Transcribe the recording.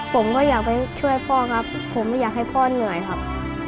ผมก็อยากไปช่วยพ่อครับผมไม่อยากให้พ่อเหนื่อยครับ